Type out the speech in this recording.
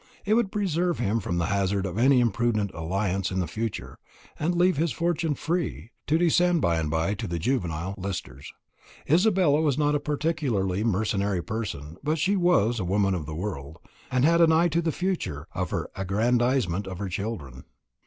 It would preserve him from the hazard of any imprudent alliance in the future, and leave his fortune free, to descend by and by to the juvenile Listers. Isabella was not a particularly mercenary person, but she was a woman of the world, and had an eye to the future aggrandisement of her children.